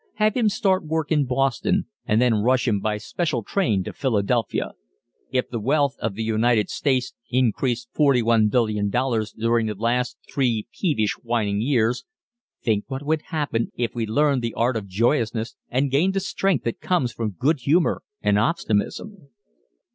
Have him start work in Boston, and then rush him by special train to Philadelphia. If the wealth of the United States increased $41,000,000,000 during the last three peevish, whining years, think what would happen if we learned the art of joyousness and gained the strength that comes from good humor and optimism!